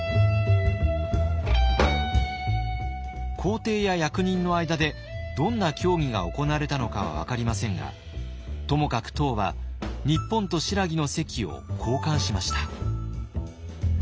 皇帝や役人の間でどんな協議が行われたのかは分かりませんがともかく唐は日本と新羅の席を交換しました。